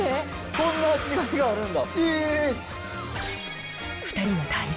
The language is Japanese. こんなに違いがあるんだ！